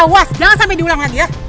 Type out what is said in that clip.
awas jangan sampe diulang lagi ya